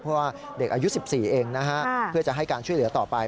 เพราะว่าเด็กอายุ๑๔เองนะฮะเพื่อจะให้การช่วยเหลือต่อไป